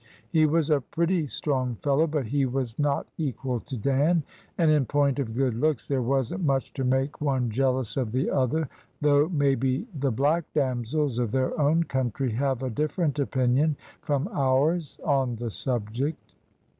He was a pretty strong fellow, but he was not equal to Dan, and in point of good looks there wasn't much to make one jealous of the other, though maybe the black damsels of their own country have a different opinion from ours on the subject.